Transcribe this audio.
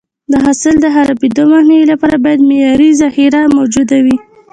د حاصل د خرابېدو مخنیوي لپاره باید معیاري ذخیره موجوده وي.